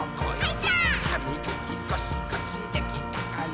「はみがきゴシゴシできたかな？」